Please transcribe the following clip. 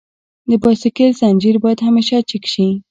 د بایسکل زنجیر باید همیشه چک شي.